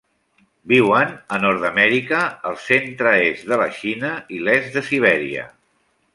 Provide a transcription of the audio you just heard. Viuen a Nord-amèrica, el centre-est de la Xina i l'est de Sibèria.